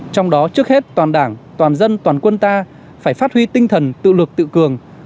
trong đó trước hết toàn đảng toàn dân toàn quân ta phải phát huy tinh thần tự lực tự cường